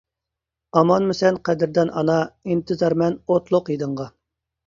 ئامانمۇ سەن قەدىردان ئانا، ئىنتىزارمەن ئوتلۇق ھىدىڭغا.